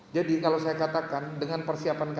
jadi kalau saya katakan dengan persiapan masyarakat